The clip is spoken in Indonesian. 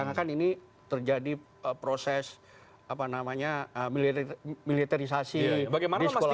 sekarang kan ini terjadi proses militerisasi di sekolah sekolah